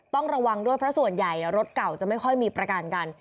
ต้องระวังด้วยเพราะส่วนใหญ่รถเก่าจะไม่ค่อยมีประกันกัน